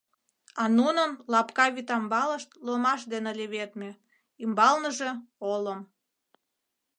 А нунын лапка вӱтамбалышт ломаш дене леведме, ӱмбалныже — олым.